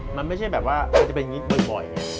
มันไม่ใช่แบบว่ามันจะเป็นอย่างนี้บ่อย